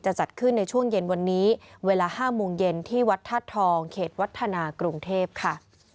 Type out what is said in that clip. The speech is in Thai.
จัดขึ้นในช่วงเย็นวันนี้เวลา๕โมงเย็นที่วัดธาตุทองเขตวัฒนากรุงเทพค่ะ